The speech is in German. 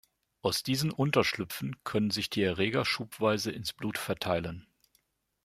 Aus diesen Unterschlüpfen können sich die Erreger schubweise ins Blut verteilen.